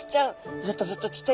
ずっとずっとちっちゃい